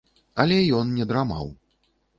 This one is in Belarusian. Але ён не драмаў.